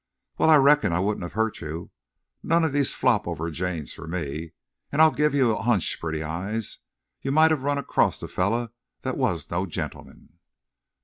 "Wal, I reckon I wouldn't have hurt you. None of these flop over Janes for me!... An' I'll give you a hunch, Pretty Eyes. You might have run acrost a fellar thet was no gentleman!"